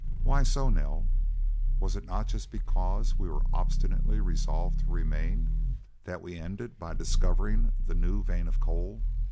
"Why so, Nell? Was it not just because we were obstinately resolved to remain that we ended by discovering the new vein of coal?